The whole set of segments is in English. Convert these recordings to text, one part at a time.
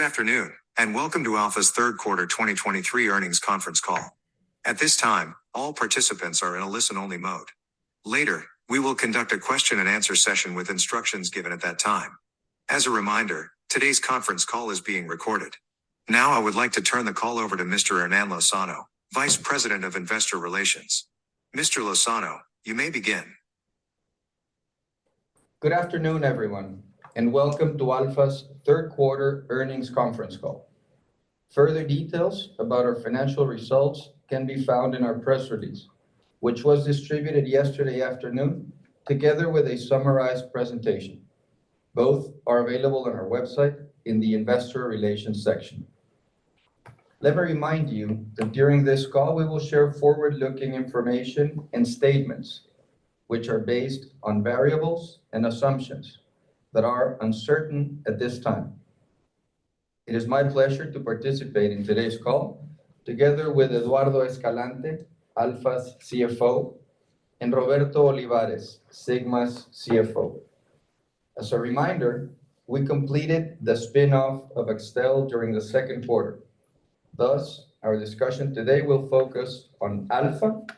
Good afternoon, and welcome to ALFA's Third Quarter 2023 Earnings Conference Call. At this time, all participants are in a listen-only mode. Later, we will conduct a question and answer session with instructions given at that time. As a reminder, today's conference call is being recorded. Now, I would like to turn the call over to Mr. Hernán Lozano, Vice President of Investor Relations. Mr. Lozano, you may begin. Good afternoon, everyone, and welcome to ALFA's Third Quarter Earnings Conference Call. Further details about our financial results can be found in our press release, which was distributed yesterday afternoon, together with a summarized presentation. Both are available on our website in the Investor Relations section. Let me remind you that during this call, we will share forward-looking information and statements which are based on variables and assumptions that are uncertain at this time. It is my pleasure to participate in today's call together with Eduardo Escalante, ALFA's CFO, and Roberto Olivares, Sigma's CFO. As a reminder, we completed the spin-off of Axtel during the second quarter. Thus, our discussion today will focus on ALFA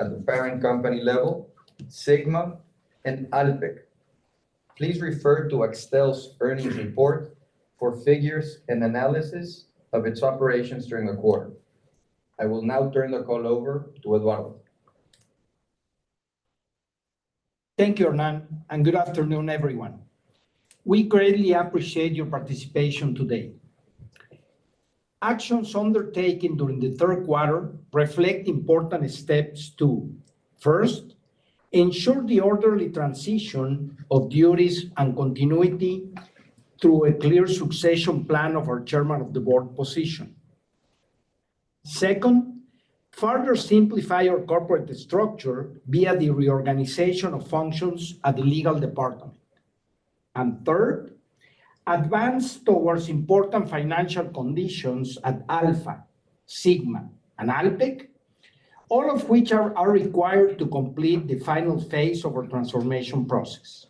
at the parent company level, Sigma and Alpek. Please refer to Axtel's earnings report for figures and analysis of its operations during the quarter. I will now turn the call over to Eduardo. Thank you, Hernán, and good afternoon, everyone. We greatly appreciate your participation today. Actions undertaken during the third quarter reflect important steps to, first, ensure the orderly transition of duties and continuity through a clear succession plan of our Chairman of the Board position. Second, further simplify our corporate structure via the reorganization of functions at the legal department. And third, advance towards important financial conditions at Alfa, Sigma, and Alpek, all of which are required to complete the final phase of our transformation process.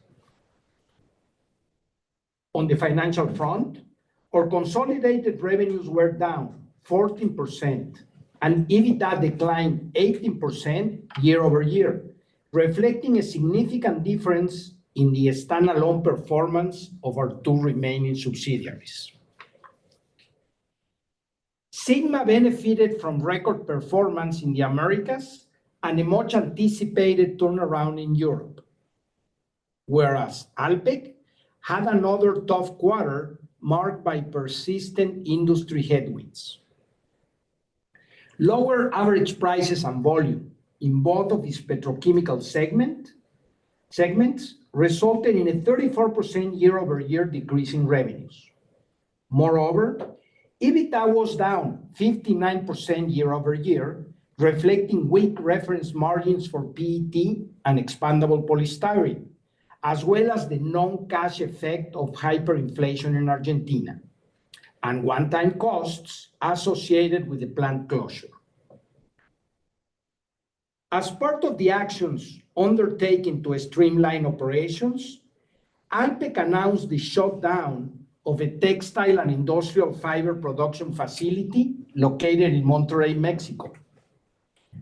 On the financial front, our consolidated revenues were down 14% and EBITDA declined 18% year-over-year, reflecting a significant difference in the standalone performance of our two remaining subsidiaries. Sigma benefited from record performance in the Americas and a much-anticipated turnaround in Europe, whereas Alpek had another tough quarter marked by persistent industry headwinds. Lower average prices and volume in both of these petrochemical segments resulted in a 34% year-over-year decrease in revenues. Moreover, EBITDA was down 59% year-over-year, reflecting weak reference margins for PET and expandable polystyrene, as well as the non-cash effect of hyperinflation in Argentina and one-time costs associated with the plant closure. As part of the actions undertaken to streamline operations, Alpek announced the shutdown of a textile and industrial fiber production facility located in Monterrey, Mexico.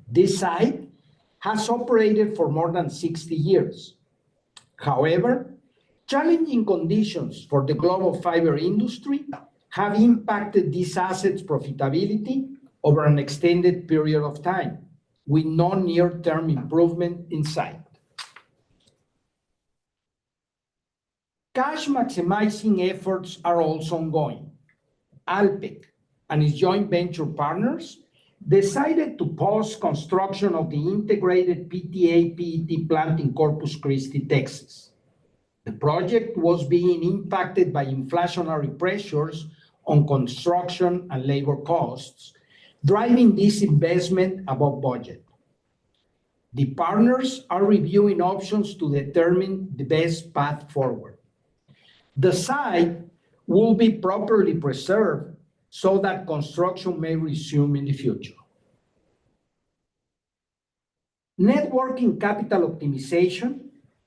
This site has operated for more than 60 years. However, challenging conditions for the global fiber industry have impacted this asset's profitability over an extended period of time, with no near-term improvement in sight. Cash-maximizing efforts are also ongoing. Alpek and its joint venture partners decided to pause construction of the integrated PTA/PET plant in Corpus Christi, Texas. The project was being impacted by inflationary pressures on construction and labor costs, driving this investment above budget. The partners are reviewing options to determine the best path forward. The site will be properly preserved so that construction may resume in the future. Net working capital optimization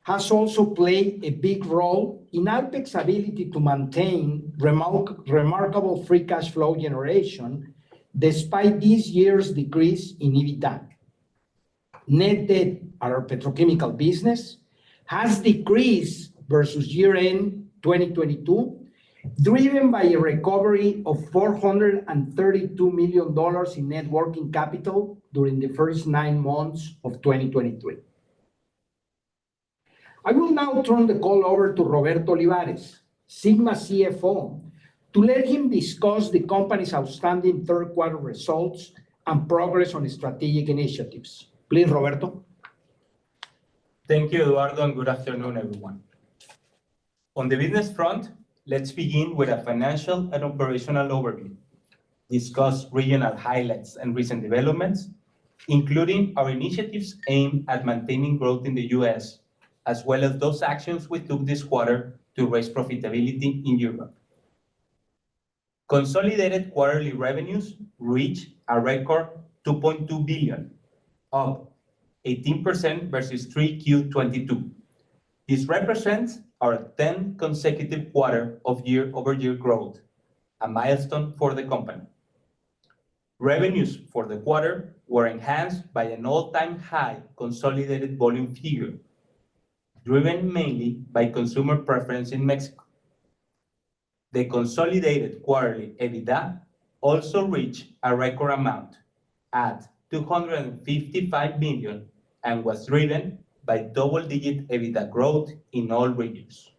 has also played a big role in Alpek's ability to maintain remarkable free cash flow generation despite this year's decrease in EBITDA. Net debt, our petrochemical business, has decreased versus year-end 2022, driven by a recovery of $432 million in net working capital during the first nine months of 2023. I will now turn the call over to Roberto Olivares, Sigma CFO, to let him discuss the company's outstanding third quarter results and progress on its strategic initiatives. Please, Roberto. Thank you, Eduardo, and good afternoon, everyone. On the business front, let's begin with a financial and operational overview, discuss regional highlights and recent developments, including our initiatives aimed at maintaining growth in the U.S., as well as those actions we took this quarter to raise profitability in Europe. Consolidated quarterly revenues reached a record $2.2 billion, up 18% versus 3Q 2022. This represents our 10 consecutive quarter of year-over-year growth, a milestone for the company. Revenues for the quarter were enhanced by an all-time high consolidated volume figure, driven mainly by consumer preference in Mexico. The consolidated quarterly EBITDA also reached a record amount at $255 million, and was driven by double-digit EBITDA growth in all regions.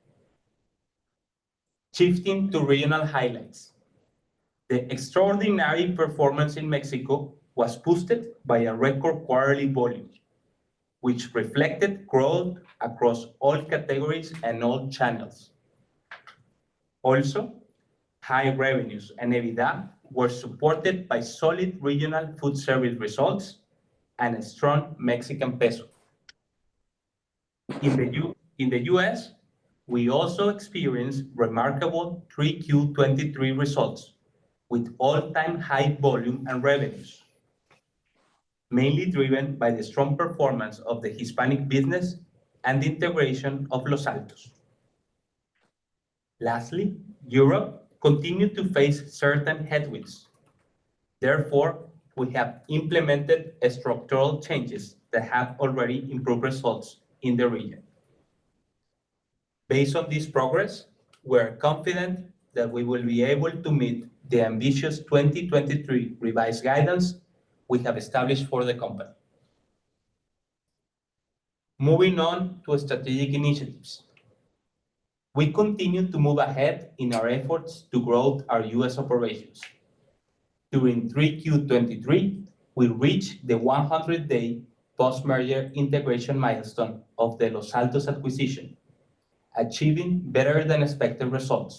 Shifting to regional highlights, the extraordinary performance in Mexico was boosted by a record quarterly volume, which reflected growth across all categories and all channels. Also, high revenues and EBITDA were supported by solid regional food service results and a strong Mexican peso. In the U.S., we also experienced remarkable 3Q-2023 results, with all-time high volume and revenues, mainly driven by the strong performance of the Hispanic business and the integration of Los Altos. Lastly, Europe continued to face certain headwinds. Therefore, we have implemented structural changes that have already improved results in the region. Based on this progress, we are confident that we will be able to meet the ambitious 2023 revised guidance we have established for the company. Moving on to strategic initiatives. We continue to move ahead in our efforts to grow our U.S. operations. During 3Q-2023, we reached the 100-day post-merger integration milestone of the Los Altos acquisition, achieving better-than-expected results.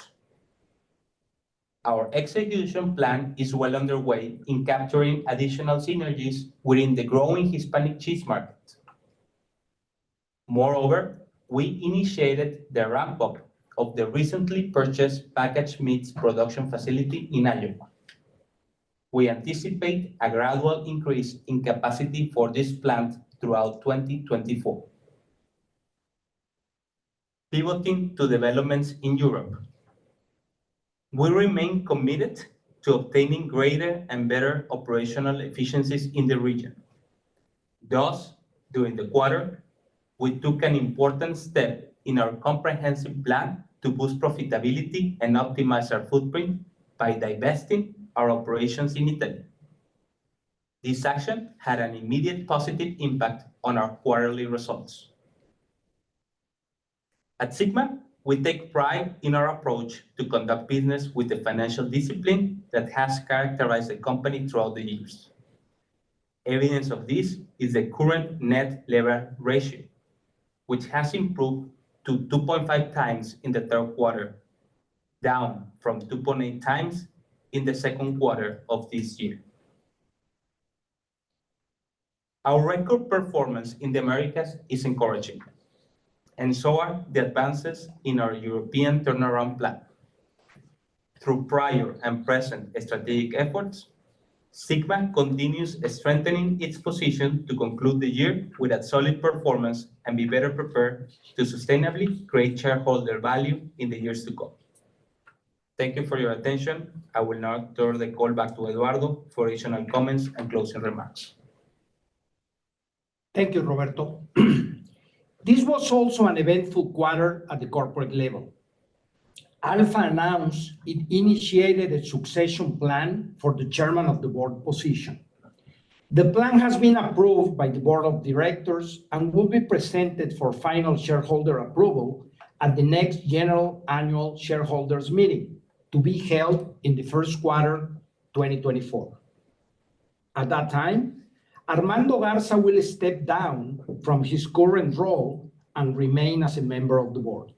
Our execution plan is well underway in capturing additional synergies within the growing Hispanic cheese market. Moreover, we initiated the ramp-up of the recently purchased packaged meats production facility in Iowa. We anticipate a gradual increase in capacity for this plant throughout 2024. Pivoting to developments in Europe, we remain committed to obtaining greater and better operational efficiencies in the region. Thus, during the quarter, we took an important step in our comprehensive plan to boost profitability and optimize our footprint by divesting our operations in Italy. This action had an immediate positive impact on our quarterly results. At Sigma, we take pride in our approach to conduct business with the financial discipline that has characterized the company throughout the years. Evidence of this is the current net leverage ratio, which has improved to 2.5x in the third quarter, down from 2.8x in the second quarter of this year. Our record performance in the Americas is encouraging, and so are the advances in our European turnaround plan. Through prior and present strategic efforts, Sigma continues strengthening its position to conclude the year with a solid performance and be better prepared to sustainably create shareholder value in the years to come. Thank you for your attention. I will now turn the call back to Eduardo for additional comments and closing remarks. Thank you, Roberto. This was also an eventful quarter at the corporate level. ALFA announced it initiated a succession plan for the Chairman of the Board position. The plan has been approved by the Board of Directors and will be presented for final shareholder approval at the next general annual shareholders meeting, to be held in the first quarter 2024. At that time, Armando Garza will step down from his current role and remain as a member of the board.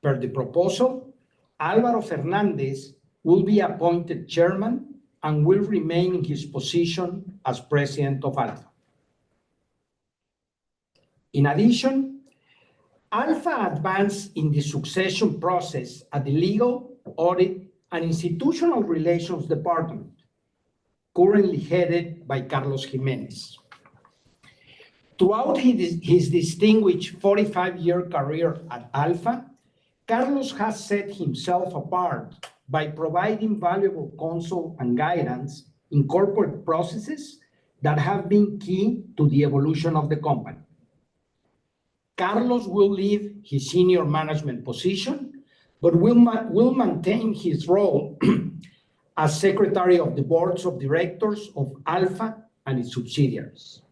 Per the proposal, Álvaro Fernández will be appointed chairman and will remain in his position as President of ALFA. In addition, ALFA advanced in the succession process at the Legal, Audit, and Institutional Relations Department, currently headed by Carlos Jiménez. Throughout his distinguished 45-year career at ALFA, Carlos has set himself apart by providing valuable counsel and guidance in corporate processes that have been key to the evolution of the company. Carlos will leave his senior management position, but will maintain his role as Secretary of the Boards of Directors of ALFA and its subsidiaries.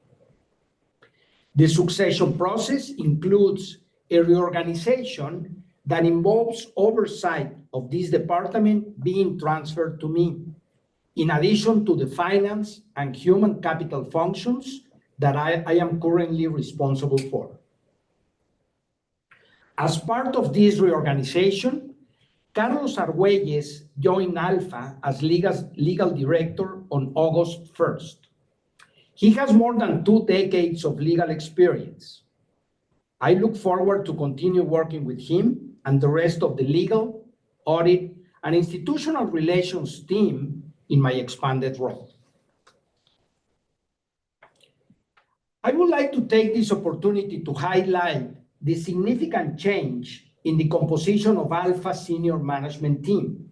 The succession process includes a reorganization that involves oversight of this department being transferred to me, in addition to the finance and human capital functions that I am currently responsible for. As part of this reorganization, Carlos Arguelles joined ALFA as Legal Director on August 1st. He has more than two decades of legal experience. I look forward to continue working with him and the rest of the Legal, Audit, and Institutional Relations team in my expanded role.... I would like to take this opportunity to highlight the significant change in the composition of ALFA senior management team,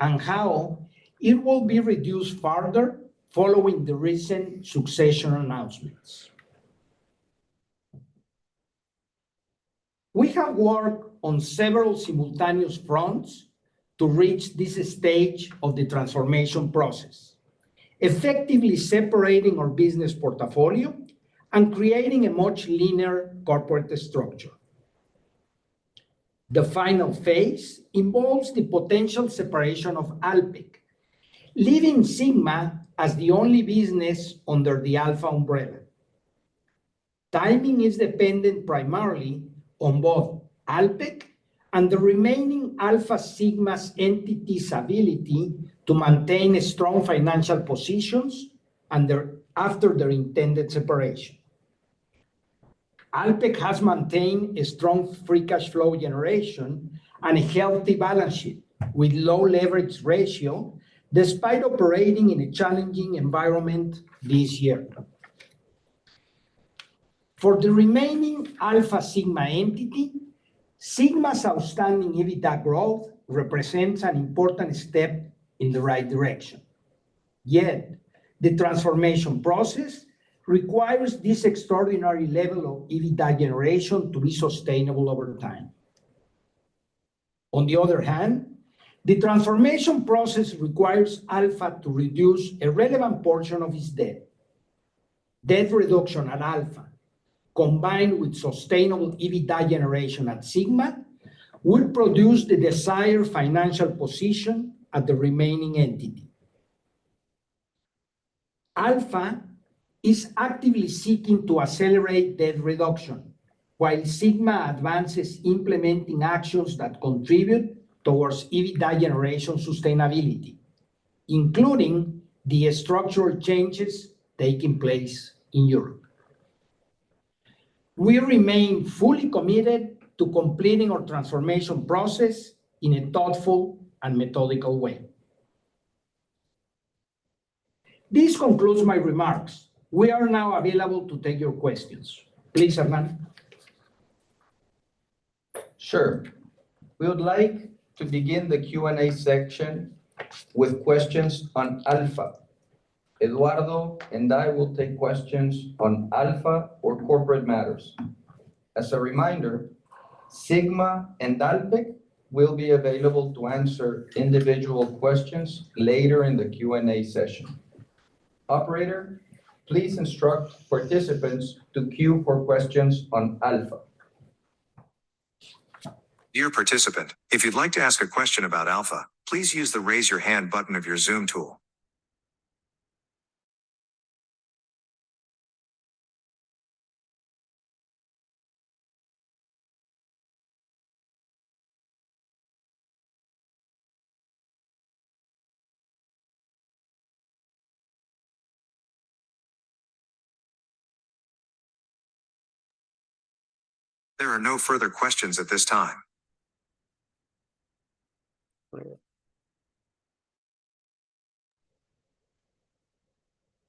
and how it will be reduced further following the recent succession announcements. We have worked on several simultaneous fronts to reach this stage of the transformation process, effectively separating our business portfolio and creating a much leaner corporate structure. The final phase involves the potential separation of Alpek, leaving Sigma as the only business under the ALFA umbrella. Timing is dependent primarily on both Alpek and the remaining ALFA Sigma's entities ability to maintain a strong financial positions and their, after their intended separation. Alpek has maintained a strong free cash flow generation and a healthy balance sheet with low leverage ratio, despite operating in a challenging environment this year. For the remaining ALFA Sigma entity, Sigma's outstanding EBITDA growth represents an important step in the right direction. Yet, the transformation process requires this extraordinary level of EBITDA generation to be sustainable over time. On the other hand, the transformation process requires ALFA to reduce a relevant portion of its debt. Debt reduction at ALFA, combined with sustainable EBITDA generation at Sigma, will produce the desired financial position at the remaining entity. ALFA is actively seeking to accelerate debt reduction, while Sigma advances implementing actions that contribute towards EBITDA generation sustainability, including the structural changes taking place in Europe. We remain fully committed to completing our transformation process in a thoughtful and methodical way. This concludes my remarks. We are now available to take your questions. Please, Hernán. Sure. We would like to begin the Q&A section with questions on ALFA. Eduardo and I will take questions on ALFA or corporate matters. As a reminder, Sigma and Alpek will be available to answer individual questions later in the Q&A session. Operator, please instruct participants to queue for questions on ALFA. Dear participant, if you'd like to ask a question about Alfa, please use the Raise Your Hand button of your Zoom tool. There are no further questions at this time.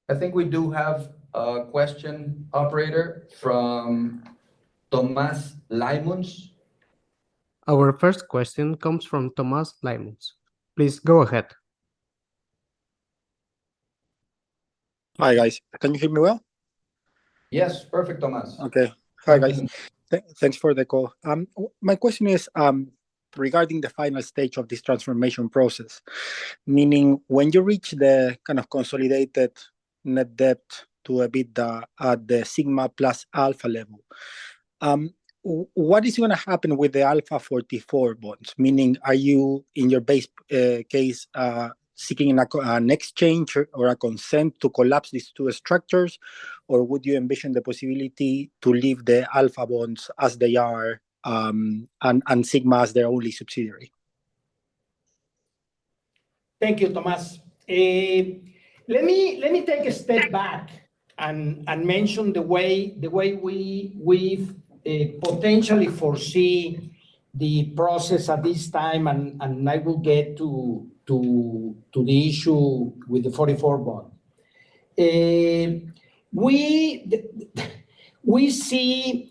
I think we do have a question, operator, from Tomás Laymuns. Our first question comes from Tomás Laymuns. Please go ahead. Hi, guys. Can you hear me well? Yes, perfect, Tomás. Okay. Hi, guys. Thanks for the call. My question is regarding the final stage of this transformation process, meaning when you reach the kind of consolidated net debt to EBITDA at the Sigma plus ALFA level, what is gonna happen with the ALFA 44 bonds? Meaning, are you, in your base case, seeking an exchange or a consent to collapse these two structures? Or would you envision the possibility to leave the ALFA bonds as they are, and Sigma as their only subsidiary? Thank you, Tomás. Let me take a step back and mention the way we've potentially foresee the process at this time, and I will get to the issue with the 44 bond. We see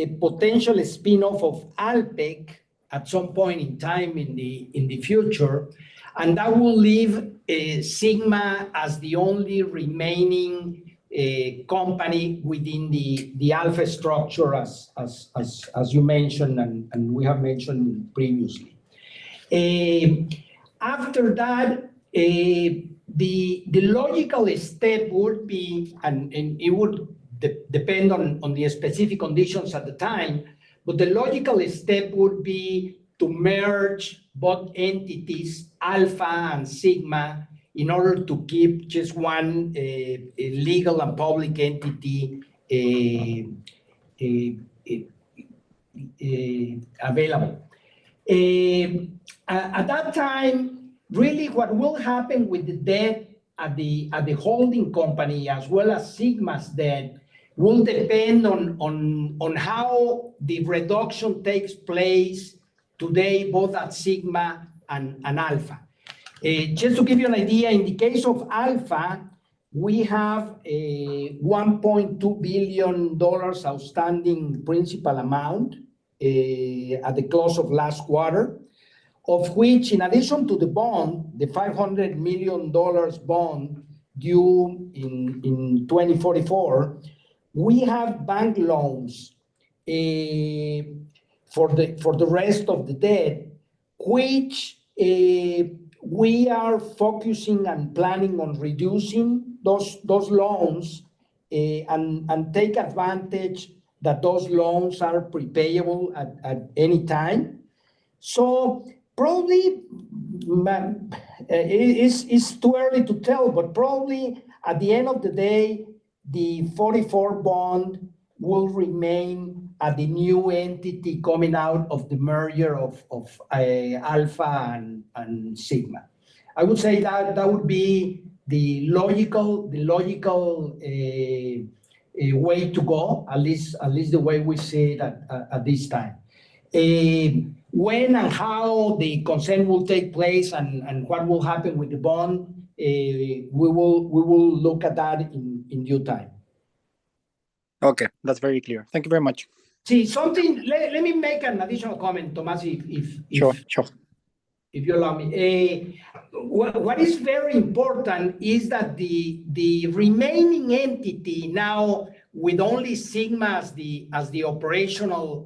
a potential spin-off of Alpek at some point in time in the future, and that will leave Sigma as the only remaining company within the ALFA structure, as you mentioned, and we have mentioned previously. After that, the logical step would be, and it would depend on the specific conditions at the time, but the logical step would be to merge both entities, ALFA and Sigma, in order to keep just one legal and public entity available. At that time, really, what will happen with the debt at the holding company, as well as Sigma's debt, will depend on how the reduction takes place today, both at Sigma and ALFA. Just to give you an idea, in the case of ALFA, we have a $1.2 billion outstanding principal amount at the close of last quarter, of which, in addition to the bond, the $500 million bond due in 2044, we have bank loans for the rest of the debt, which we are focusing and planning on reducing those loans and take advantage that those loans are pre-payable at any time. So probably, it's too early to tell, but probably at the end of the day, the 44 bond will remain at the new entity coming out of the merger of ALFA and Sigma. I would say that that would be the logical way to go, at least the way we see it at this time. When and how the consent will take place and what will happen with the bond, we will look at that in due time. Okay, that's very clear. Thank you very much. Let me make an additional comment, Tomás, if- Sure, sure. If you allow me. What is very important is that the remaining entity now with only Sigma as the operational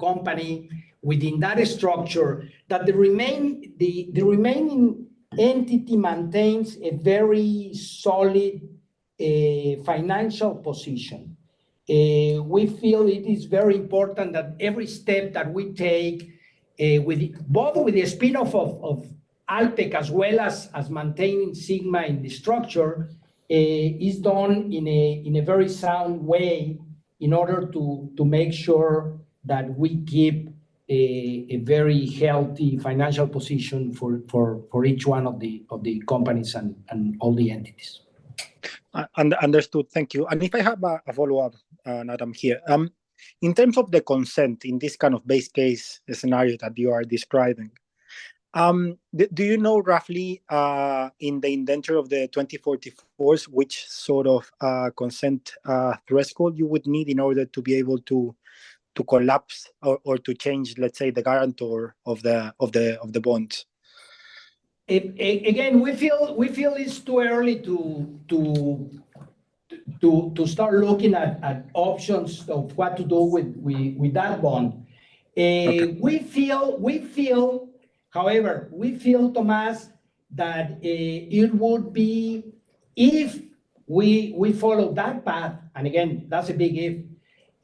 company within that structure, that the remaining entity maintains a very solid financial position. We feel it is very important that every step that we take with the both with the spin-off of Alpek, as well as maintaining Sigma in the structure, is done in a very sound way in order to make sure that we keep a very healthy financial position for each one of the companies and all the entities. Understood. Thank you. And if I have a follow-up, add-on, here. In terms of the consent in this kind of base case, the scenario that you are describing, do you know roughly in the indenture of the 2044s, which sort of consent threshold you would need in order to be able to collapse or to change, let's say, the guarantor of the bond? Again, we feel it's too early to start looking at options of what to do with that bond. Okay. However, we feel, Tomás, that it would be if we follow that path, and again, that's a big if,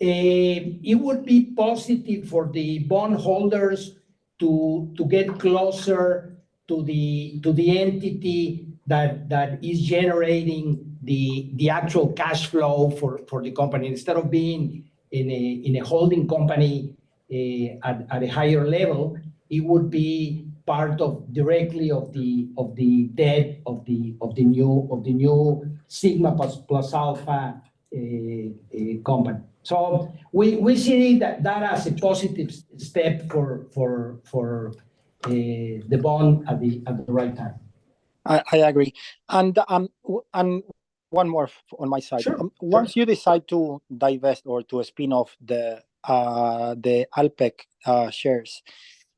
it would be positive for the bond holders to get closer to the entity that is generating the actual cash flow for the company. Instead of being in a holding company at a higher level, it would be part directly of the debt of the new Sigma plus Alfa company. So we see that as a positive step for the bond at the right time. I agree. And one more on my side. Sure. Once you decide to divest or to spin off the Alpek shares,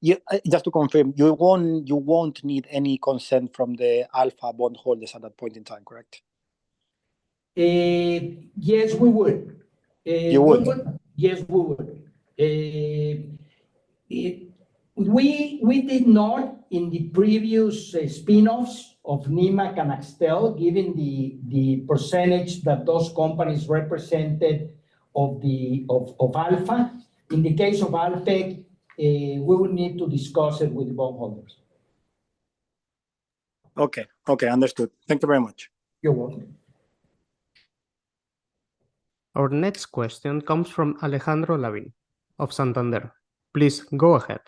you just to confirm, you won't, you won't need any consent from the ALFA bondholders at that point in time, correct? Yes, we would. You would? Yes, we would. We did not in the previous spin-offs of Nemak and Axtel, given the percentage that those companies represented of ALFA. In the case of Alpek, we will need to discuss it with the bond holders. Okay. Okay, understood. Thank you very much. You're welcome. Our next question comes from Alejandro Lavin of Santander. Please go ahead.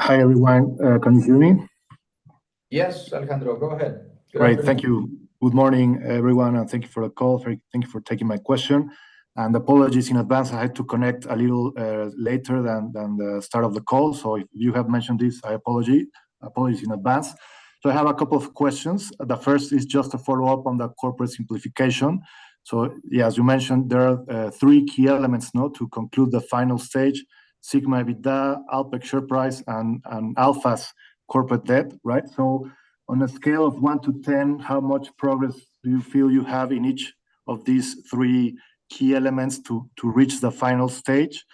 Hi, everyone. Can you hear me? Yes, Alejandro, go ahead. All right, thank you. Good morning, everyone, and thank you for the call. Thank you for taking my question, and apologies in advance. I had to connect a little later than the start of the call. So if you have mentioned this, I apologize, apologies in advance. So I have a couple of questions. The first is just a follow-up on the corporate simplification. So yeah, as you mentioned, there are three key elements now to conclude the final stage: Sigma EBITDA, Alpek share price, and ALFA's corporate debt, right? So on a scale of one to ten, how much progress do you feel you have in each of these three key elements to reach the final stage?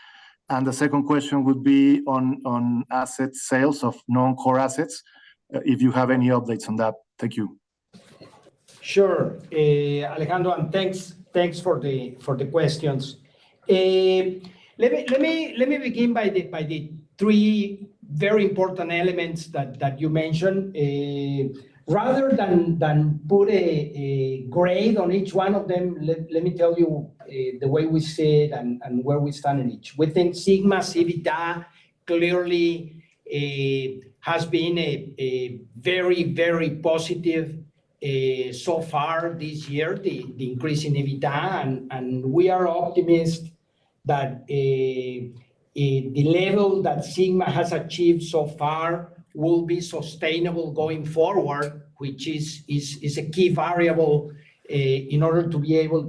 And the second question would be on asset sales of non-core assets, if you have any updates on that. Thank you. Sure. Alejandro, and thanks, thanks for the, for the questions. Let me begin by the three very important elements that you mentioned. Rather than put a grade on each one of them, let me tell you the way we see it and where we stand in each. Within Sigma EBITDA clearly has been a very, very positive so far this year, the increase in EBITDA, and we are optimistic that the level that Sigma has achieved so far will be sustainable going forward, which is a key variable in order to be able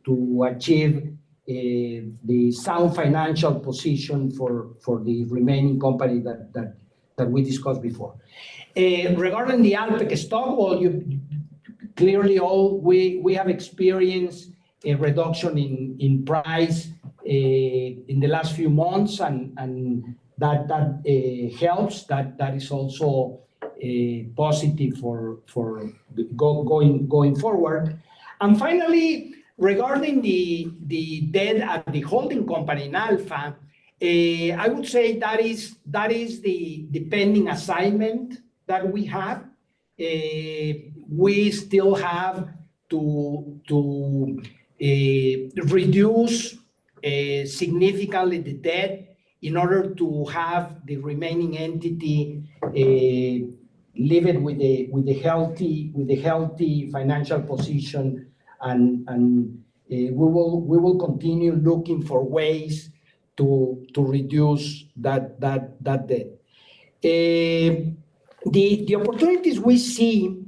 to achieve the sound financial position for the remaining company that we discussed before. Regarding the Alpek stock, well, clearly, all we have experienced a reduction in price in the last few months, and that helps. That is also a positive for going forward. And finally, regarding the debt at the holding company in ALFA, I would say that is the pending assignment that we have. We still have to reduce significantly the debt in order to have the remaining entity leave it with a healthy financial position, and we will continue looking for ways to reduce that debt. The opportunities we see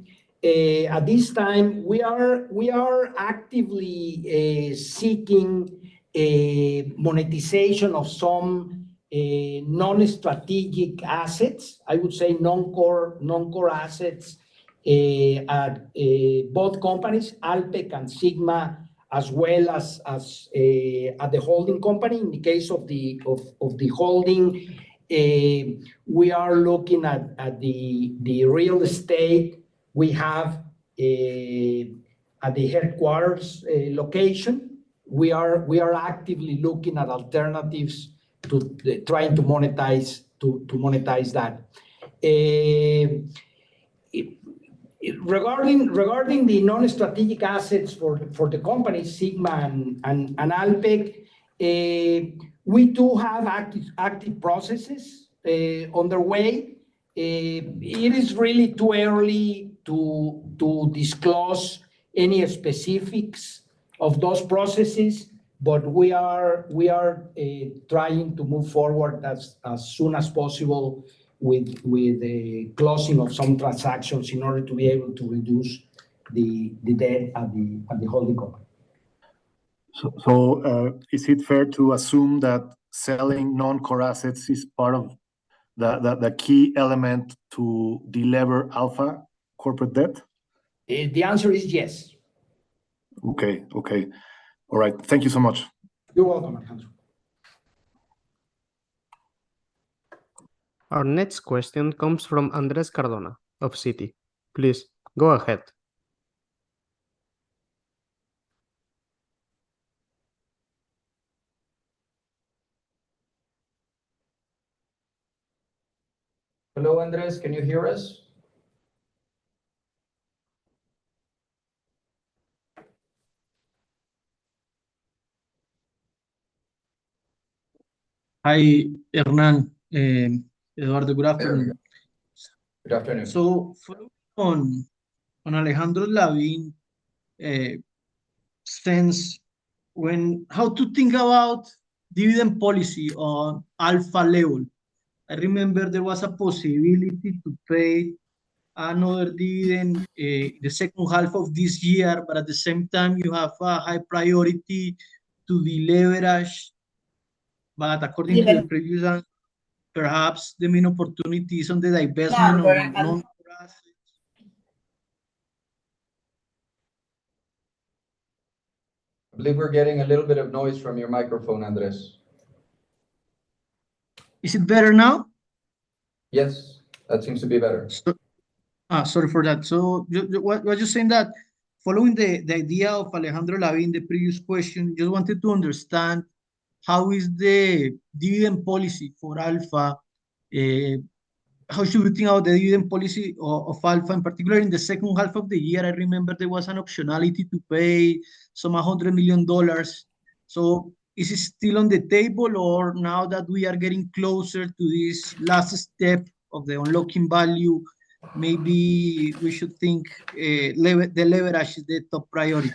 at this time, we are actively seeking a monetization of some non-strategic assets. I would say non-core, non-core assets at both companies, Alpek and Sigma, as well as at the holding company. In the case of the holding, we are looking at the real estate. We have a at the headquarters location, we are actively looking at alternatives to trying to monetize, to monetize that. Regarding the non-strategic assets for the company, Sigma and Alpek, we do have active processes underway. It is really too early to disclose any specifics of those processes, but we are trying to move forward as soon as possible with the closing of some transactions in order to be able to reduce the debt at the holding company. So, is it fair to assume that selling non-core assets is part of the key element to delever ALFA corporate debt? The answer is yes. Okay. Okay. All right. Thank you so much. You're welcome, Alejandro. Our next question comes from Andrés Cardona of Citi. Please, go ahead. Hello, Andrés, can you hear us? Hi, Hernán, Eduardo, good afternoon. Good afternoon. So following on Alejandro Lavin's stance, when... How to think about dividend policy on ALFA level? I remember there was a possibility to pay another dividend the second half of this year, but at the same time, you have a high priority to deleverage. But according to the previous, perhaps the main opportunity is on the divestment- Yeah... or non-core assets. I believe we're getting a little bit of noise from your microphone, Andrés. Is it better now? Yes, that seems to be better. So, sorry for that. So what I was just saying that following the idea of Alejandro Lavin, the previous question, just wanted to understand how is the dividend policy for ALFA, how should we think about the dividend policy of ALFA, in particular in the second half of the year, I remember there was an optionality to pay some $100 million. So is it still on the table, or now that we are getting closer to this last step of the unlocking value, maybe we should think deleverage is the top priority?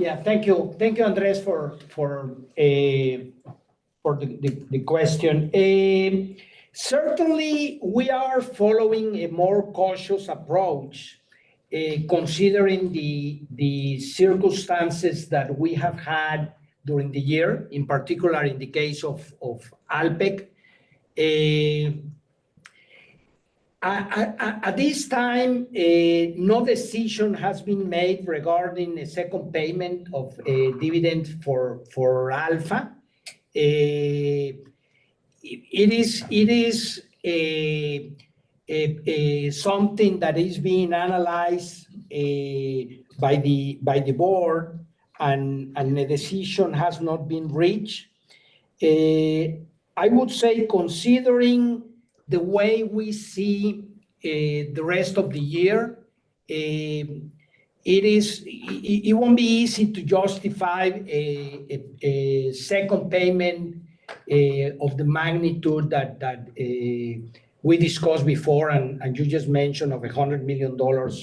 Yeah. Thank you. Thank you, Andrés, for the question. Certainly, we are following a more cautious approach, considering the circumstances that we have had during the year, in particular in the case of Alpek. At this time, no decision has been made regarding a second payment of a dividend for ALFA. It is something that is being analyzed by the board, and a decision has not been reached. I would say considering the way we see the rest of the year, it won't be easy to justify a second payment of the magnitude that we discussed before, and you just mentioned of $100 million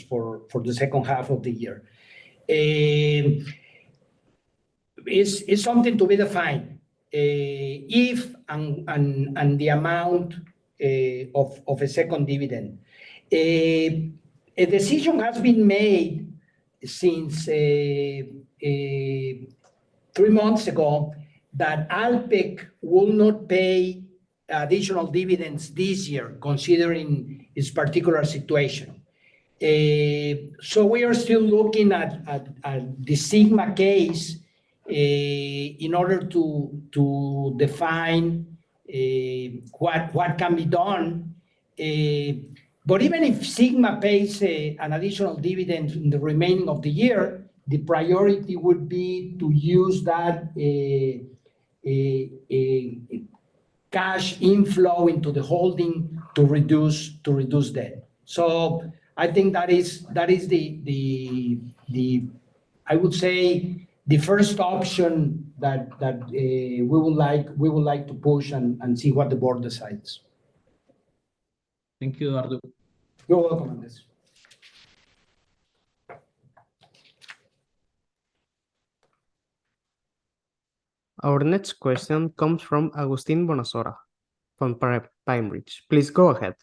for the second half of the year. It's something to be defined, if and the amount of a second dividend. A decision has been made since three months ago that Alpek will not pay additional dividends this year, considering its particular situation. So we are still looking at the Sigma case, in order to define what can be done. But even if Sigma pays an additional dividend in the remaining of the year, the priority would be to use that a cash inflow into the holding to reduce debt. So I think that is the... I would say, the first option that we would like to push and see what the board decides. Thank you, Eduardo. You're welcome, Andrés. Our next question comes from Agustín Bonasora from PineBridge. Please go ahead.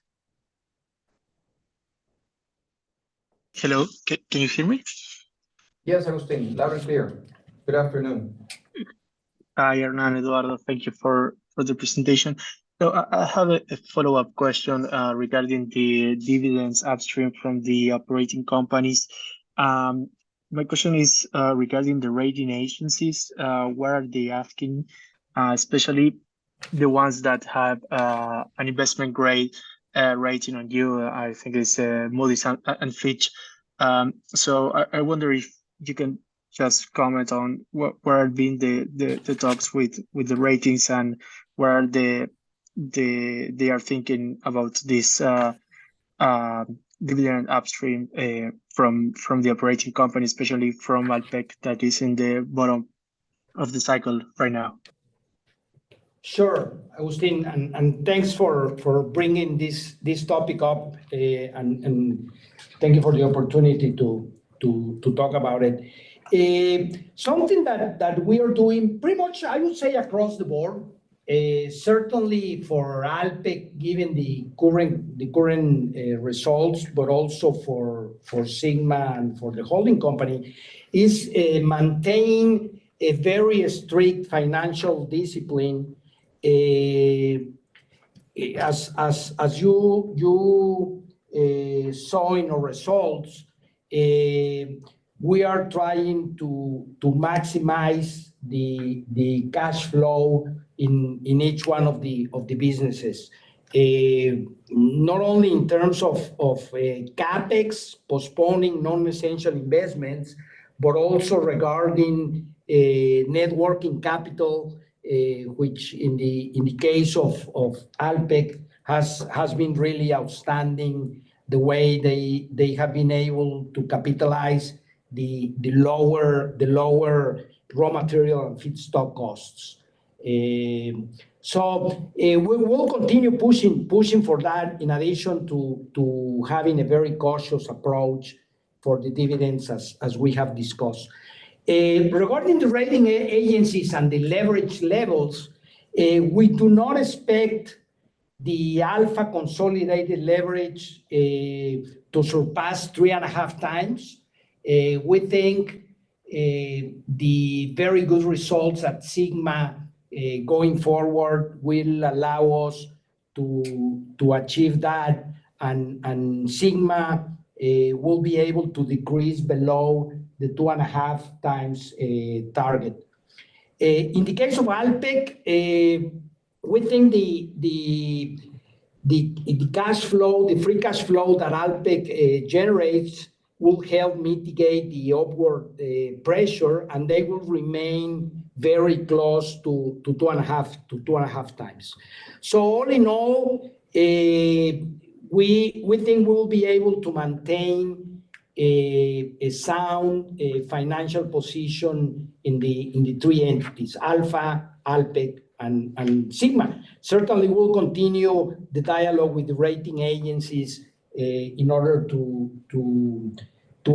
Hello, can you hear me? Yes, Agustín, loud and clear. Good afternoon. Hi, Hernán, Eduardo. Thank you for the presentation. So I have a follow-up question regarding the dividends upstream from the operating companies. My question is regarding the rating agencies, what are they asking? Especially the ones that have an investment grade rating on you. I think it's Moody's and Fitch. So I wonder if you can just comment on what where have been the talks with the ratings, and where they are thinking about this dividend upstream from the operating company, especially from Alpek, that is in the bottom of the cycle right now. Sure, Agustín, and thanks for bringing this topic up, and thank you for the opportunity to talk about it. Something that we are doing pretty much, I would say, across the board, certainly for Alpek, given the current results, but also for Sigma and for the holding company, is maintaining a very strict financial discipline. As you saw in our results, we are trying to maximize the cash flow in each one of the businesses. Not only in terms of CapEx, postponing non-essential investments, but also regarding net working capital, which in the case of Alpek, has been really outstanding, the way they have been able to capitalize the lower raw material and feedstock costs. So, we will continue pushing for that, in addition to having a very cautious approach for the dividends as we have discussed. Regarding the rating agencies and the leverage levels, we do not expect the ALFA consolidated leverage to surpass 3.5x. We think the very good results at Sigma going forward will allow us to achieve that, and Sigma will be able to decrease below the 2.5x target. In the case of Alpek, we think the cash flow, the free cash flow that Alpek generates will help mitigate the upward pressure, and they will remain very close to 2.5x. So all in all, we think we'll be able to maintain a sound financial position in the three entities: Alfa, Alpek, and Sigma. Certainly, we'll continue the dialogue with the rating agencies in order to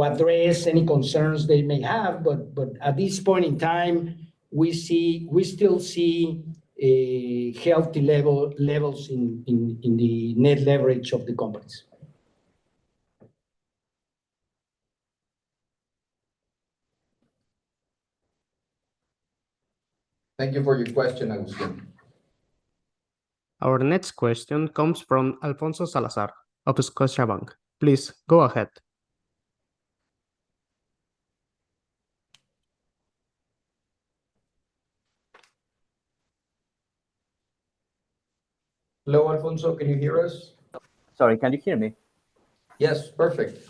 address any concerns they may have, but at this point in time, we still see healthy levels in the net leverage of the companies. Thank you for your question, Agustín. Our next question comes from Alfonso Salazar of Scotiabank. Please go ahead. Hello, Alfonso, can you hear us? Sorry, can you hear me? Yes, perfect.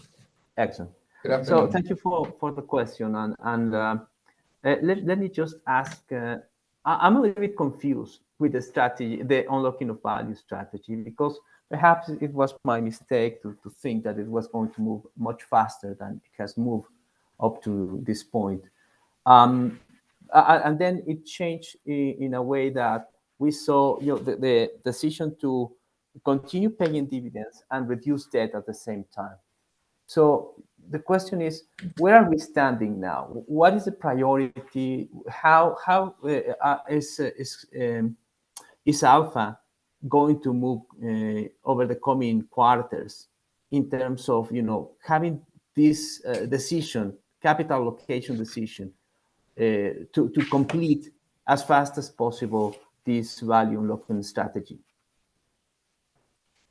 Excellent. Good afternoon. So thank you for the question and, let me just ask, I’m a little bit confused with the strategy, the unlocking of value strategy, because perhaps it was my mistake to think that it was going to move much faster than it has moved up to this point. And then it changed in a way that we saw, you know, the decision to continue paying dividends and reduce debt at the same time. So the question is, where are we standing now? What is the priority? How is Alfa going to move over the coming quarters in terms of, you know, having this decision, capital allocation decision, to complete as fast as possible, this value unlocking strategy?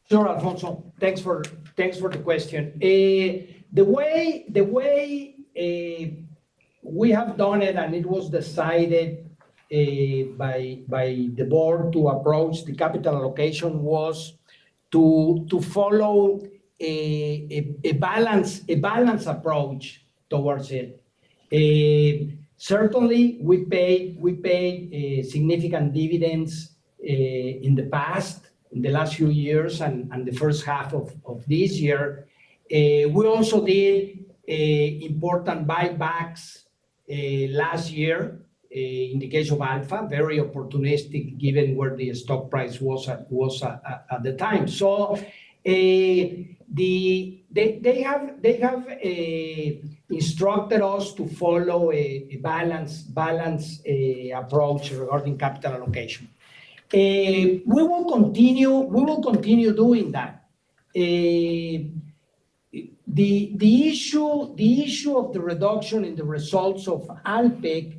Sure, Alfonso, thanks for the question. The way we have done it, and it was decided by the board to approach the capital allocation, was to follow a balanced approach towards it. Certainly we paid significant dividends in the past, in the last few years, and the first half of this year. We also did a important buybacks last year, in the case of Alfa, very opportunistic, given where the stock price was at the time. So, they have instructed us to follow a balanced approach regarding capital allocation. We will continue doing that. The issue of the reduction in the results of Alpek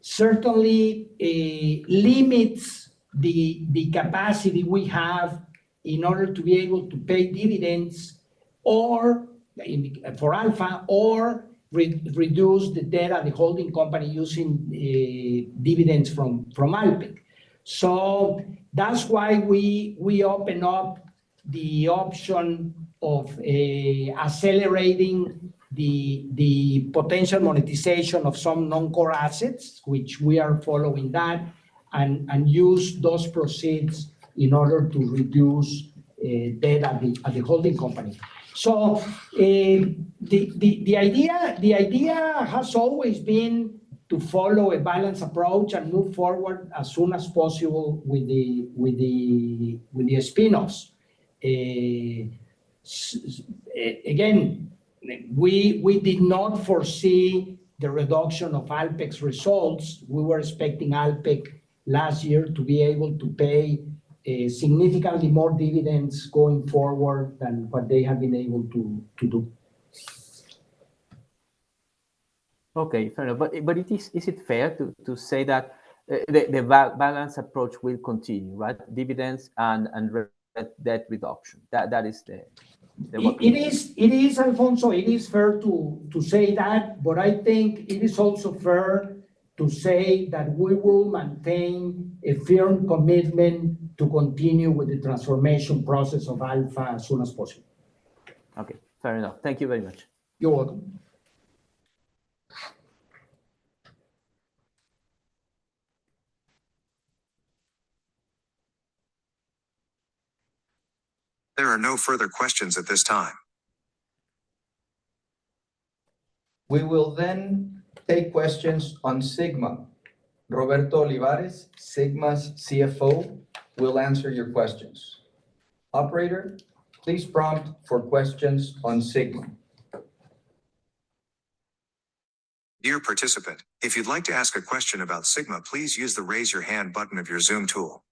certainly limits the capacity we have in order to be able to pay dividends or in- for Alfa or reduce the debt at the holding company using dividends from Alpek. So that's why we open up the option of accelerating the potential monetization of some non-core assets, which we are following that, and use those proceeds in order to reduce debt at the holding company. So, the idea has always been to follow a balanced approach and move forward as soon as possible with the spin-offs. Again, we did not foresee the reduction of Alpek's results. We were expecting Alpek last year to be able to pay significantly more dividends going forward than what they have been able to, to do. Okay, fair enough. But it is... Is it fair to say that the balanced approach will continue, right? Dividends and debt reduction, that is the way- It is, Alfonso, fair to say that, but I think it is also fair to say that we will maintain a firm commitment to continue with the transformation process of Alfa as soon as possible. Okay, fair enough. Thank you very much. You're welcome. There are no further questions at this time. We will then take questions on Sigma. Roberto Olivares, Sigma's CFO, will answer your questions. Operator, please prompt for questions on Sigma. Dear participant, if you'd like to ask a question about Sigma, please use the Raise Your Hand button of your Zoom tool.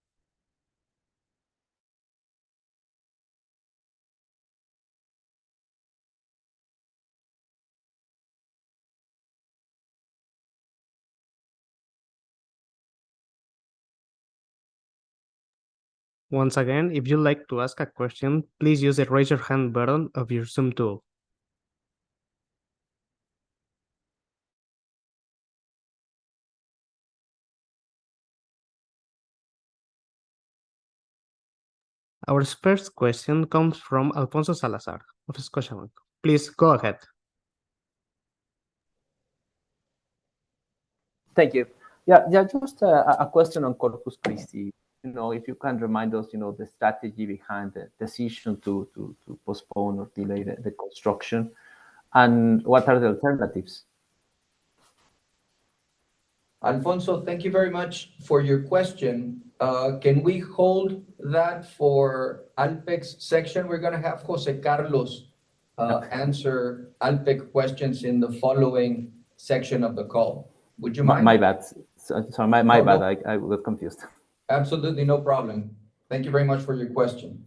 Once again, if you'd like to ask a question, please use the Raise Your Hand button of your Zoom tool. Our first question comes from Alfonso Salazar of Scotiabank. Please go ahead. Thank you. Yeah, yeah, just a question on Corpus Christi. You know, if you can remind us, you know, the strategy behind the decision to postpone or delay the construction, and what are the alternatives? Alfonso, thank you very much for your question. Can we hold that for Alpek's section? We're gonna have José Carlos, Okay... answer Alpek questions in the following section of the call. Would you mind? My bad. Sorry, my bad. No problem. I got confused. Absolutely, no problem. Thank you very much for your question.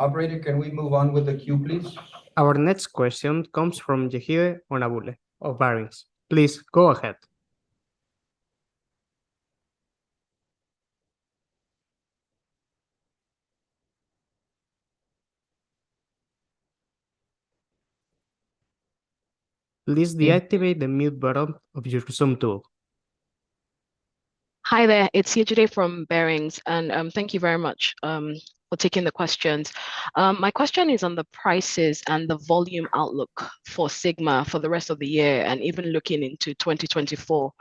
Operator, can we move on with the queue, please? Our next question comes from Yejide Onabule of Barings. Please go ahead.... Please deactivate the mute button of your Zoom tool. Hi there, it's Yejide from Barings, and thank you very much for taking the questions. My question is on the prices and the volume outlook for Sigma for the rest of the year and even looking into 2024,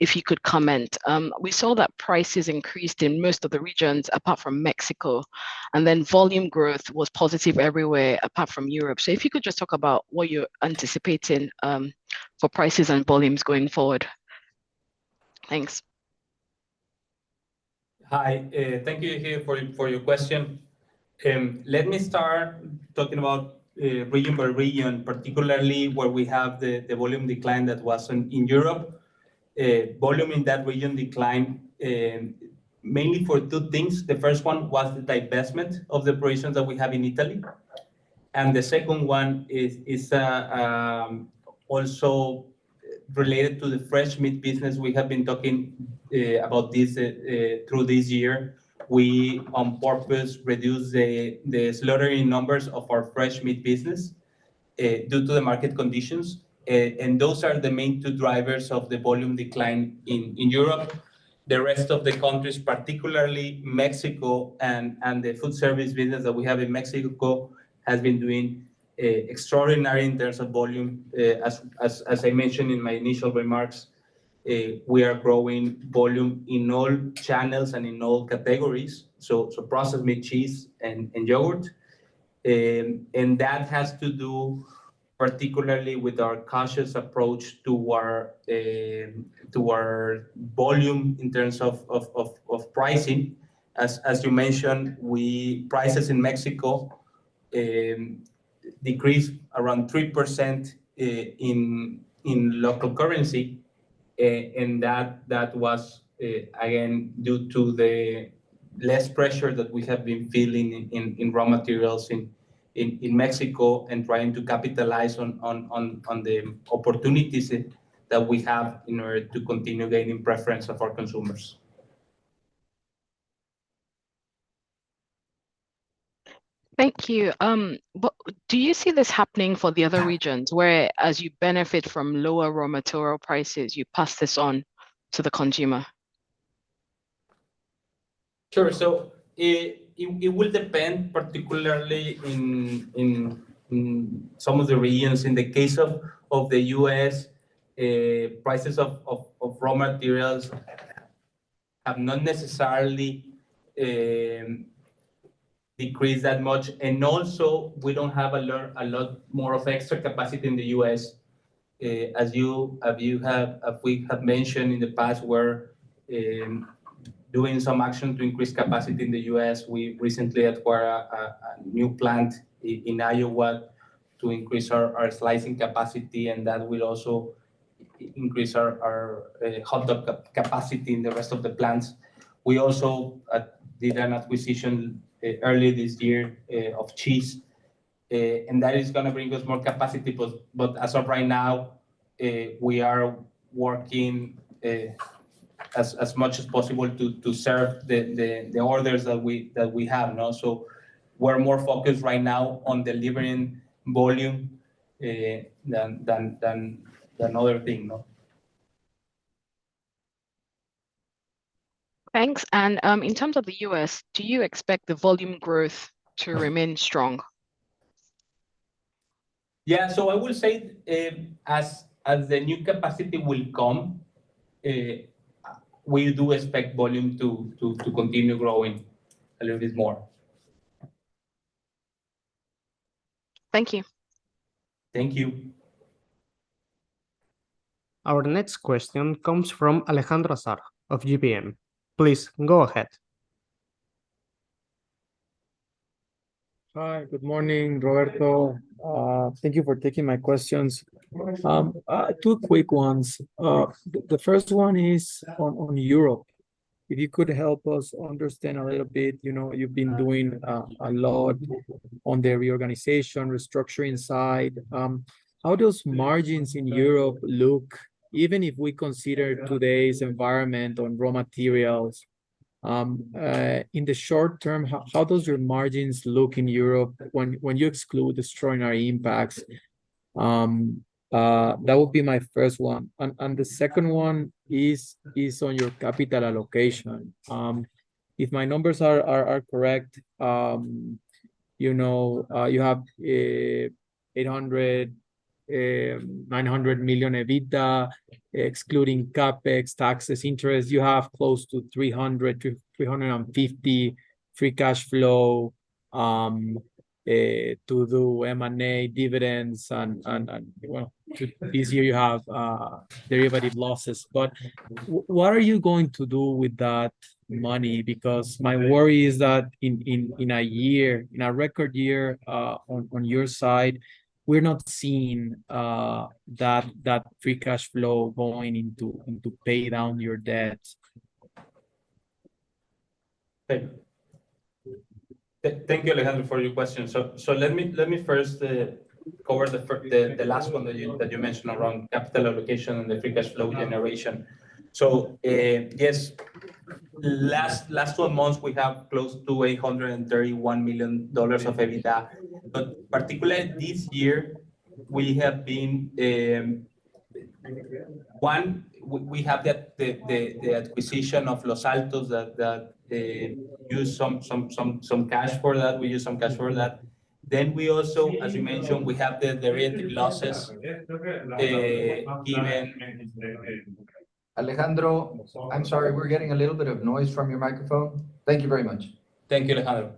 if you could comment. We saw that prices increased in most of the regions apart from Mexico, and then volume growth was positive everywhere apart from Europe. So if you could just talk about what you're anticipating for prices and volumes going forward. Thanks. Hi, thank you, Yejide, for your question. Let me start talking about region by region, particularly where we have the volume decline that was in Europe. Volume in that region declined mainly for two things. The first one was the divestment of the operations that we have in Italy, and the second one is also related to the fresh meat business. We have been talking about this through this year. We on purpose reduced the slaughtering numbers of our fresh meat business due to the market conditions. And those are the main two drivers of the volume decline in Europe. The rest of the countries, particularly Mexico and the food service business that we have in Mexico, has been doing extraordinary in terms of volume. As I mentioned in my initial remarks, we are growing volume in all channels and in all categories, so processed meat, cheese, and yogurt. And that has to do particularly with our cautious approach to our volume in terms of pricing. As you mentioned, we prices in Mexico decreased around 3% in local currency, and that was again due to the less pressure that we have been feeling in raw materials in Mexico and trying to capitalize on the opportunities that we have in order to continue gaining preference of our consumers. Thank you. But do you see this happening for the other regions, whereas you benefit from lower raw material prices, you pass this on to the consumer? Sure. So, it will depend, particularly in some of the regions. In the case of the U.S., prices of raw materials have not necessarily decreased that much, and also we don't have a lot more of extra capacity in the U.S. As we have mentioned in the past, we're doing some action to increase capacity in the U.S. We recently acquired a new plant in Iowa to increase our slicing capacity, and that will also increase our hot dog capacity in the rest of the plants. We also did an acquisition earlier this year of cheese, and that is gonna bring us more capacity. But as of right now, we are working as much as possible to serve the orders that we have. And also, we're more focused right now on delivering volume than other thing, no? Thanks. In terms of the U.S., do you expect the volume growth to remain strong? Yeah, so I will say, as the new capacity will come, we do expect volume to continue growing a little bit more. Thank you. Thank you. Our next question comes from Alejandro Azar of GBM. Please go ahead. Hi, good morning, Roberto. Thank you for taking my questions. Two quick ones. The first one is on, on Europe. If you could help us understand a little bit, you know, you've been doing a lot on the reorganization, restructuring side. How does margins in Europe look, even if we consider today's environment on raw materials? In the short term, how, how does your margins look in Europe when, when you exclude extraordinary impacts? That would be my first one, and, and the second one is, is on your capital allocation. If my numbers are correct, you know, you have $800 million-$900 million EBITDA, excluding CapEx, taxes, interest, you have close to $300 million-$350 million free cash flow to do M&A, dividends, and well, this year you have derivative losses. But what are you going to do with that money? Because my worry is that in a year, in a record year, on your side, we're not seeing that free cash flow going into pay down your debts. Thank you, Alejandro, for your question. So let me first cover the last one that you mentioned around capital allocation and the free cash flow generation. So yes. Last 12 months, we have close to $831 million of EBITDA. But particularly this year, we have been, one, we have the acquisition of Los Altos, that used some cash for that. We use some cash for that. Then we also, as you mentioned, we have the rate losses in- Alejandro, I'm sorry, we're getting a little bit of noise from your microphone. Thank you very much. Thank you, Alejandro.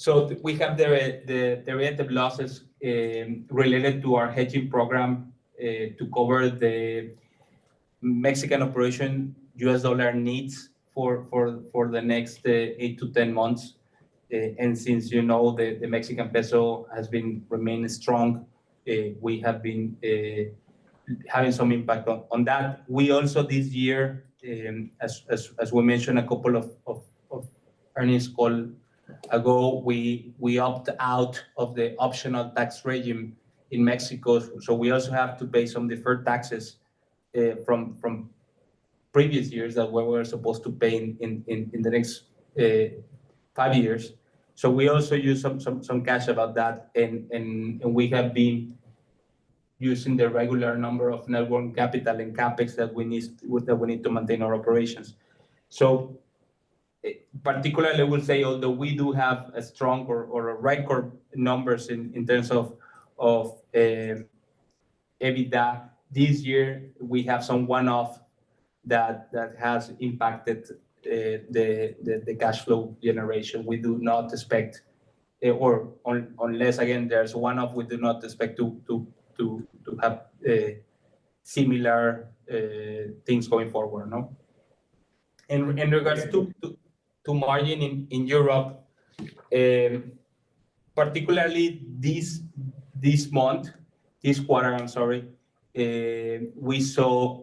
So we have the rate of losses related to our hedging program to cover the Mexican operation U.S. dollar needs for the next eight to 10 months. And since you know the Mexican peso has remained strong, we have been having some impact on that. We also this year, as we mentioned a couple of earnings call ago, we opt out of the optional tax regime in Mexico. So we also have to pay some deferred taxes from previous years that we were supposed to pay in the next five years. So we also use some cash about that, and we have been using the regular number of net working capital and CapEx that we need to maintain our operations. So, particularly, I will say, although we do have a strong or a record numbers in terms of EBITDA, this year, we have some one-off that has impacted the cash flow generation. We do not expect, or unless, again, there's one-off, we do not expect to have similar things going forward, no? And in regards to margin in Europe, particularly this month, this quarter, I'm sorry, we saw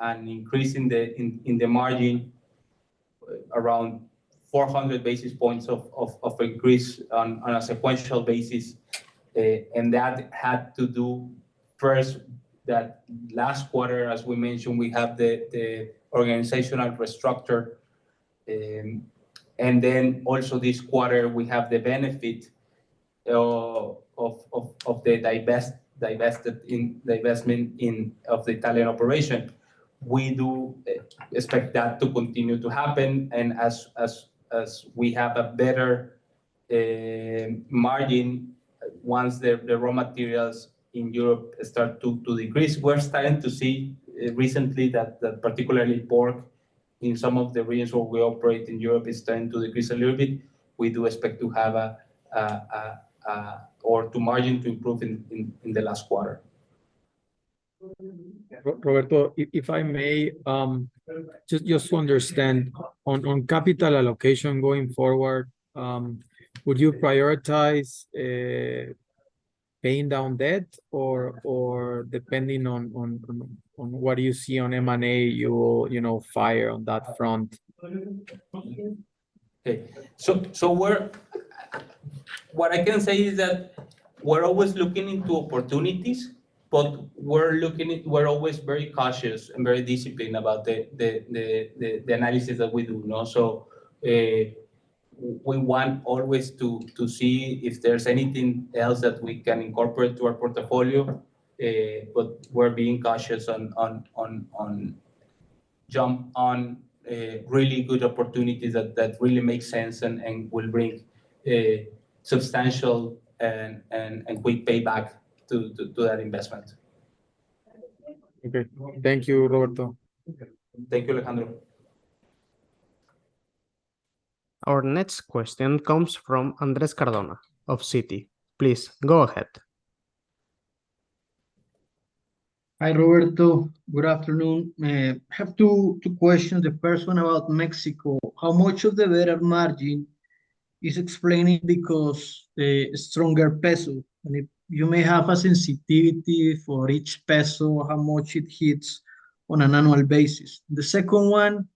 an increase in the margin around 400 basis points of increase on a sequential basis. And that had to do first that last quarter, as we mentioned, we have the organizational restructure. And then also this quarter, we have the benefit of the divestiture of the Italian operation. We do expect that to continue to happen, and as we have a better margin once the raw materials in Europe start to decrease, we're starting to see recently that particularly pork in some of the regions where we operate in Europe is starting to decrease a little bit. We do expect to have a better margin to improve in the last quarter. Roberto, if I may, just to understand on capital allocation going forward, would you prioritize paying down debt or, depending on what you see on M&A, you will, you know, fire on that front? Okay. What I can say is that we're always looking into opportunities, but we're looking at... We're always very cautious and very disciplined about the analysis that we do, no? So, we want always to see if there's anything else that we can incorporate to our portfolio, but we're being cautious on jumping on really good opportunities that really make sense and quick payback to that investment. Okay. Thank you, Roberto. Thank you, Alejandro. Our next question comes from Andrés Cardona of Citi. Please, go ahead. Hi, Roberto. Good afternoon. I have two questions. The first one about Mexico. How much of the better margin is explaining because of stronger peso, and if you may have a sensitivity for each peso, how much it hits on an annual basis? The second one,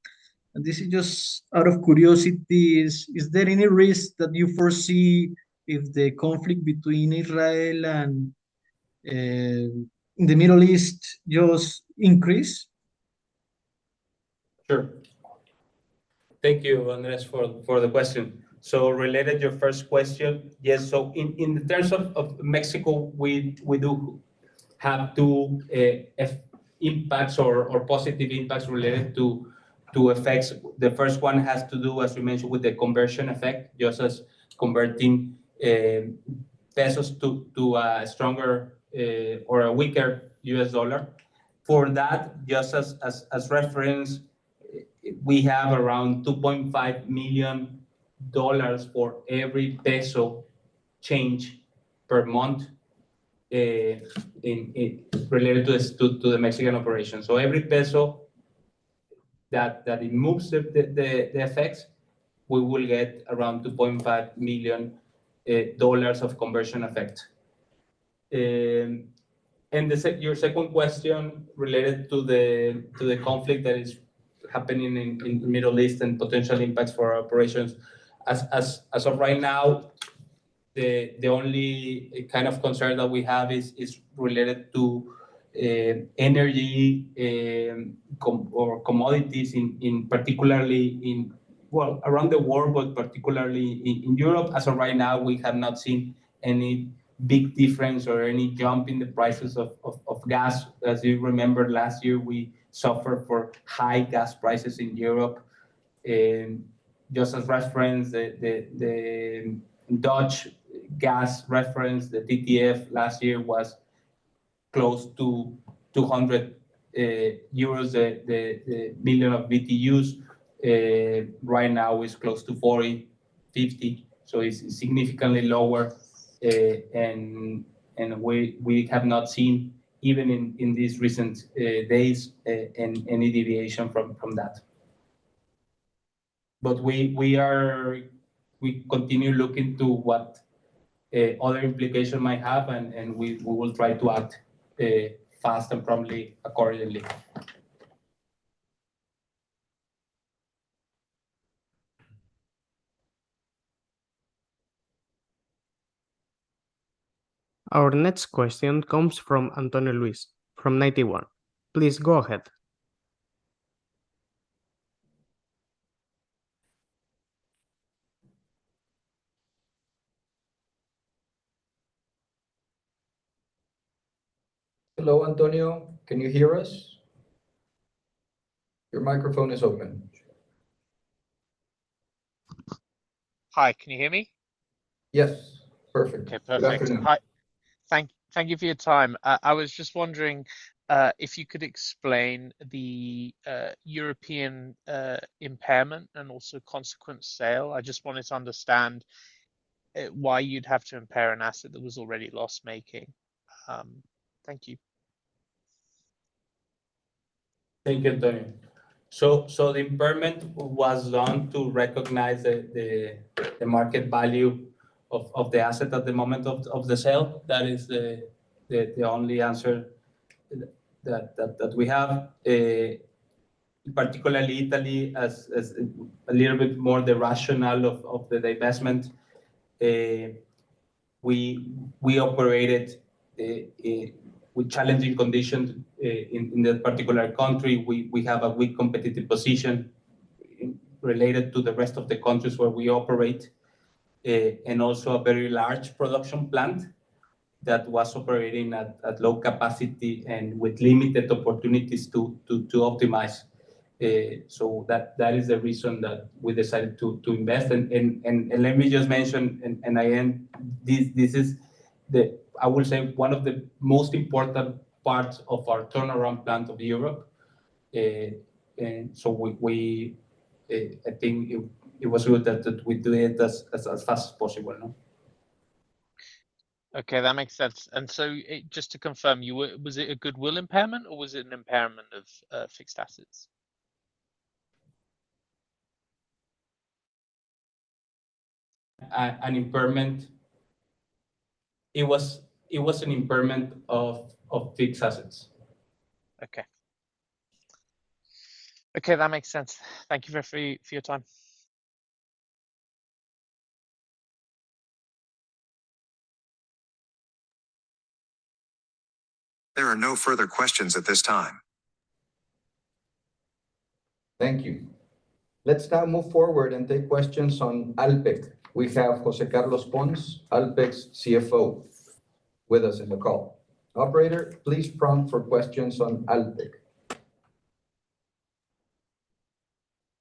and this is just out of curiosity, is there any risk that you foresee if the conflict between Israel and the Middle East just increases? Sure. Thank you, Andrés, for the question. So related to your first question, yes, so in the terms of Mexico, we do have two positive impacts related to effects. The first one has to do, as you mentioned, with the conversion effect, just as converting pesos to a stronger or a weaker U.S. dollar. For that, just as reference, we have around $2.5 million for every peso change per month in related to the Mexican operation. So every peso that it moves the effects, we will get around $2.5 million of conversion effect. Your second question related to the conflict that is happening in the Middle East and potential impacts for our operations. As of right now, the only kind of concern that we have is related to energy or commodities, in particular, around the world, but particularly in Europe. As of right now, we have not seen any big difference or any jump in the prices of gas. As you remember, last year, we suffered for high gas prices in Europe. Just for reference, the Dutch gas reference, the TTF last year was close to 200 euros per billion BTUs. Right now is close to 40- 50, so it's significantly lower. And we have not seen, even in these recent days, any deviation from that. But we are... We continue looking to what other implication might happen, and we will try to act fast and promptly, accordingly. Our next question comes from Antonio Luis from Ninety One. Please go ahead. Hello, Antonio, can you hear us? Your microphone is open. Hi, can you hear me? Yes, perfect. Okay, perfect. Good afternoon. Hi. Thank, thank you for your time. I was just wondering if you could explain the European impairment and also consequent sale. I just wanted to understand why you'd have to impair an asset that was already loss-making. Thank you. Thank you, Antonio. So the impairment was done to recognize the market value of the asset at the moment of the sale. That is the only answer that we have. Particularly Italy, as a little bit more the rationale of the divestment, we operated with challenging conditions in that particular country. We have a weak competitive position related to the rest of the countries where we operate, and also a very large production plant that was operating at low capacity and with limited opportunities to optimize. So that is the reason that we decided to invest. And let me just mention, and I end, this is the... I would say, one of the most important parts of our turnaround plan of Europe. And so we, I think it was good that we do it as fast as possible, no? Okay, that makes sense. And so, just to confirm, was it a goodwill impairment, or was it an impairment of fixed assets? An impairment. It was an impairment of fixed assets. Okay. Okay, that makes sense. Thank you for your time. There are no further questions at this time. Thank you. Let's now move forward and take questions on Alpek. We have José Carlos Pons, Alpek's CFO, with us in the call. Operator, please prompt for questions on Alpek.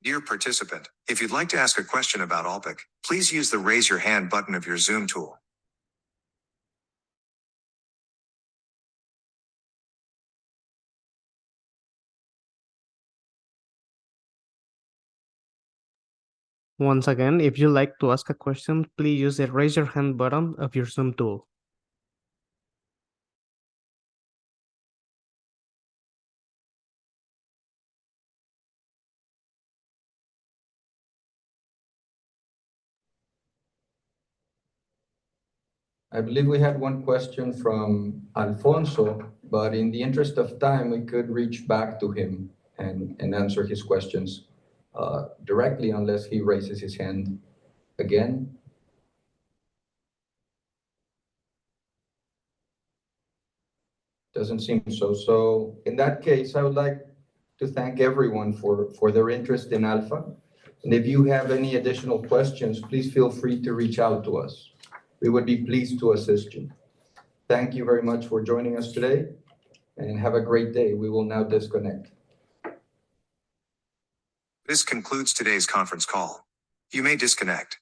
Dear participant, if you'd like to ask a question about Alpek, please use the Raise Your Hand button of your Zoom tool. Once again, if you'd like to ask a question, please use the Raise Your Hand button of your Zoom tool. I believe we had one question from Alfonso, but in the interest of time, we could reach back to him and answer his questions directly, unless he raises his hand again. Doesn't seem so. So in that case, I would like to thank everyone for their interest in Alfa, and if you have any additional questions, please feel free to reach out to us. We would be pleased to assist you. Thank you very much for joining us today, and have a great day. We will now disconnect. This concludes today's conference call. You may disconnect.